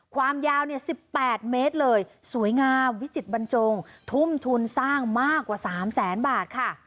ความยาว๑๘เมตรเลยสวยงามวิจิตบรรจงทุ่มทุนสร้างมากกว่า๓แสนบาทค่ะ